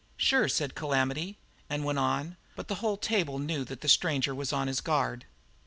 "Sure," said Calamity, and went on, but the whole table knew that the stranger was on his guard.